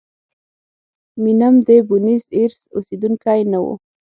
مینم د بونیس ایرس اوسېدونکی نه و.